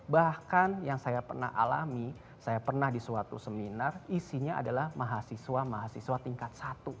bahkan yang saya pernah alami saya pernah di suatu seminar isinya adalah mahasiswa mahasiswa tingkat satu